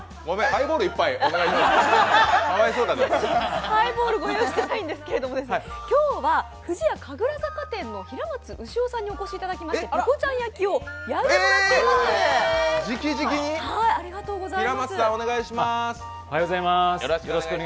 ハイボール御用意していないんですけど、今日は不二家神楽坂店の平松潮さんにお越しいただいてぺこちゃん焼を焼いてもらっています。